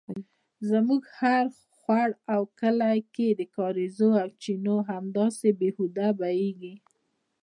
زموږ هر خوړ او کلي کې د کاریزو او چینو همداسې بې هوده بیهږي